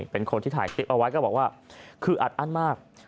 เป็นคนที่ถ่ายคลิปเอาไว้ก็บอกว่าคืออัดอั้นมาก